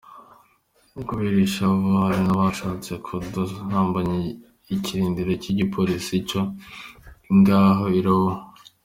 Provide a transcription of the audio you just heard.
Kubera ishavu, hari n'abashatse kudurumbanya ikirindiro c'igi polisi co ngaho I Arua.